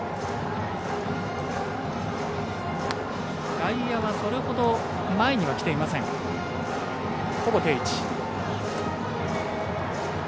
外野はそれほど前には来ていません、ほぼ定位置。